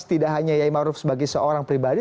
tidak hanya yai maruf sebagai seorang pribadi